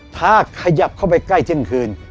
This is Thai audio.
ถ้าขยับเข้าไปใกล้เที่ยงคืน